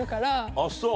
あっそう。